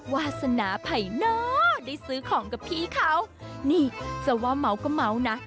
วาสนาไผ่น้อได้ซื้อของกับพี่เขานี่จะว่าเมาก็เมานะ